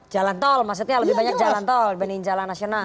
jalan tol maksudnya lebih banyak jalan tol dibanding jalan nasional